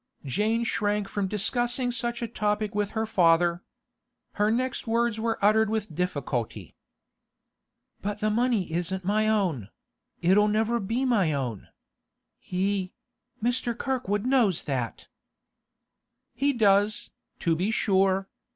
Jane shrank from discussing such a topic with her father. Her next words were uttered with difficulty. 'But the money isn't my own—it'll never be my own. He—Mr. Kirkwood knows that.' 'He does, to be sure.